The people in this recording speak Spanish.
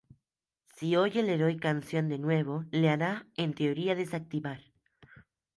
Si oye Leroy canción de nuevo, le hará, en teoría, desactivar.